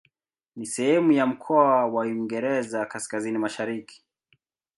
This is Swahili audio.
Ni sehemu ya mkoa wa Uingereza Kaskazini-Mashariki.